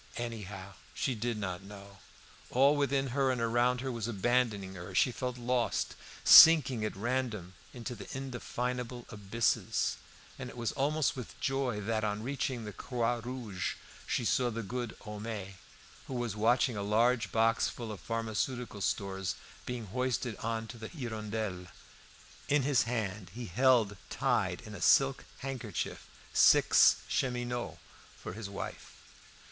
Anyhow, she did not know. All within her and around her was abandoning her. She felt lost, sinking at random into indefinable abysses, and it was almost with joy that, on reaching the "Croix Rouge," she saw the good Homais, who was watching a large box full of pharmaceutical stores being hoisted on to the "Hirondelle." In his hand he held tied in a silk handkerchief six cheminots for his wife.